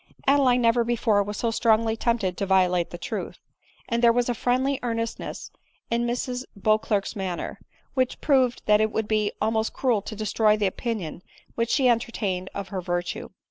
Adeline never before was so strongly tempted to vio late the truth ; and there was a friendly earnestness in Mrs Beauclerc's manner, which proved that it would be al most cruel to destroy the opinion which she entertained of her virtue.